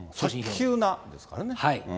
早急なですからね。